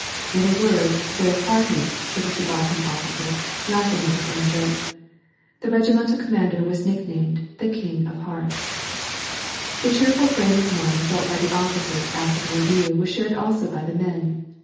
" In a word, very hearty," said the subaltern officer, laugliing at his own joke. The regimental commander was nicknamed, ^* The King of Hearts." The cheerful frame of mind felt by the officers after the review was shared also by the men.